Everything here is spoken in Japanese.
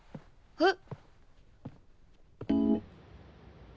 えっ。